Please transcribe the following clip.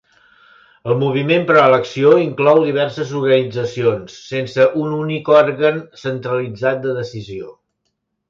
El moviment pro-elecció inclou diverses organitzacions, sense un únic òrgan centralitzat de decisió.